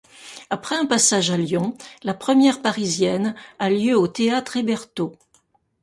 Après un passage à Lyon, la première parisienne a lieu au théâtre Hébertot.